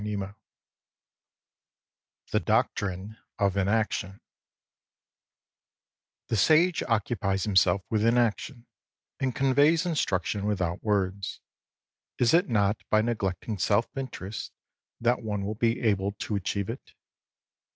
29 THE DOCTRINE OF INACTION THE Sage occupies himself with inaction, and conveys instruction without words. Is it not by neglecting self interest that one will be able to achieve it